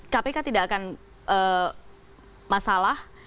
kpk tidak akan masalah